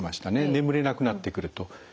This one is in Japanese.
眠れなくなってくるということ。